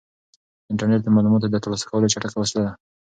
انټرنيټ د معلوماتو د ترلاسه کولو چټکه وسیله ده.